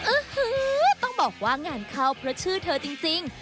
ต้องบอกว่างานเข้าเพราะชื่อเธอจริง